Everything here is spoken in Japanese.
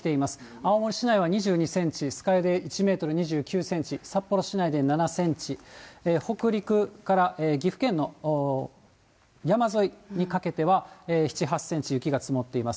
青森市内は２２センチ、酸ヶ湯で１メートル２９センチ、札幌市内で７センチ、北陸から岐阜県の山沿いにかけては７、８センチ、雪が積もっています。